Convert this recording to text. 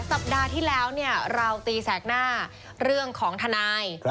สัปดาห์ที่แล้วเนี่ยเราตีแสกหน้าเรื่องของทนาย